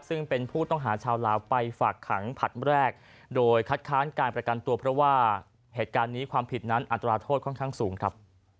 ซึ่งเป็นผู้ต้องหาชาวลาวไปฝากขังผลัดแรกโดยคัดค้านการประกันตัวเพราะว่าเหตุการณ์นี้ความผิดนั้นอัตราโทษค่อนข้างสูงครับ